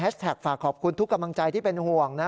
ฝากขอบคุณทุกกำลังใจที่เป็นห่วงนะ